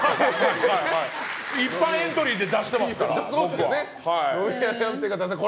一般エントリーで出してますから。